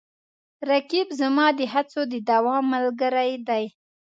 رقیب زما د هڅو د دوام ملګری دی